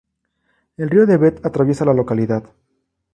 El río Debet atraviesa la localidad.